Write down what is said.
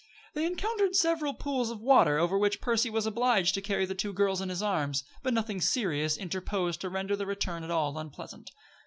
They encountered several pools of water over which Percy was obliged to carry the two girls in his arms; but nothing serious interposed to render the return at all unpleasant.